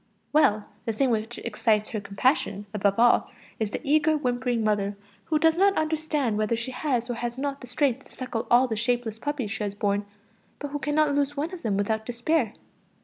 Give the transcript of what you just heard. Well the thing which excites her compassion above all is the eager, whimpering mother, who does not understand whether she has or has not the strength to suckle all the shapeless puppies she has borne, but who cannot lose one of them without despair.